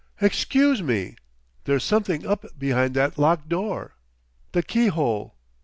Excuse me! There's something up behind that locked door! The keyhole!